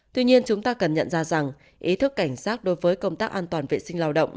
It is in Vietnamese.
tuy nhiên chúng ta cần nhận ra rằng ý thức cảnh sát đối với công tác an toàn vệ sinh lao động